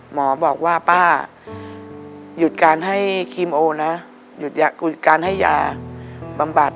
หมอบอกว่าป้าหยุดการให้ครีมโอนะหยุดยาการให้ยาบำบัด